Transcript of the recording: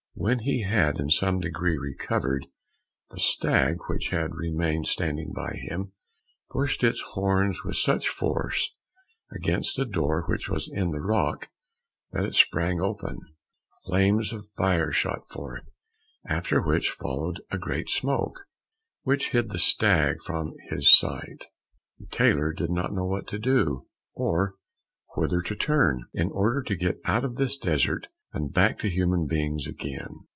When he had in some degree recovered, the stag, which had remained standing by him, pushed its horns with such force against a door which was in the rock, that it sprang open. Flames of fire shot forth, after which followed a great smoke, which hid the stag from his sight. The tailor did not know what to do, or whither to turn, in order to get out of this desert and back to human beings again.